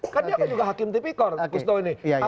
kan dia kan juga hakim tipikor kusto ini